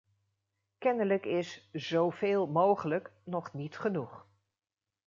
Kennelijk is "zo veel mogelijk" nog niet genoeg.